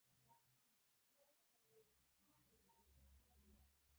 • د ژوند موخه یوازې بقا نه، بلکې پرمختګ دی.